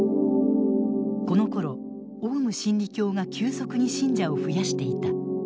このころオウム真理教が急速に信者を増やしていた。